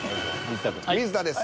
水田です。